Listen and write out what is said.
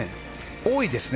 多いですね